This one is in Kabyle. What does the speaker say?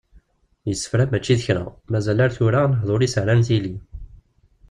Yessefra mačči d kra, mazal ar tura, lehdur-is rran tili.